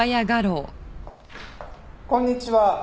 こんにちは。